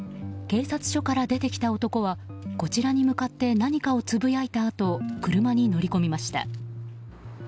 警察署から出てきた男はこちらに向かって何かをつぶやいたあと車に乗り込みました。